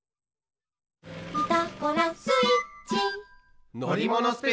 「ピタゴラスイッチ」